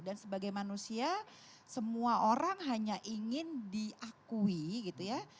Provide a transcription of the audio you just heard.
sebagai manusia semua orang hanya ingin diakui gitu ya